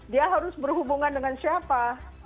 dia harus berhubungan dengan siapa